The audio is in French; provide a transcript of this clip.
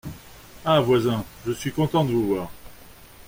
Ah ! voisin, je suis content de vous voir !